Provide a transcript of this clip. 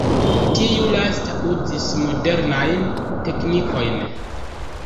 Tiu lasta uzis modernajn teknikojn.